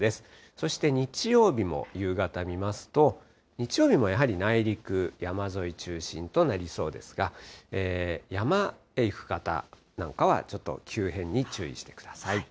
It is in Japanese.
そして日曜日も夕方見ますと、日曜日もやはり、内陸、山沿い中心となりそうですが、山へ行く方なんかは、ちょっと急変に注意してください。